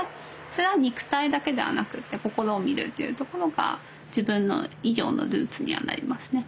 それは肉体だけではなくて心をみるっていうところが自分の医療のルーツにはなりますね。